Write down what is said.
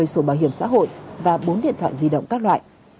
một trăm hai mươi sổ bảo hiểm xã hội và bốn điện thoại di động các loại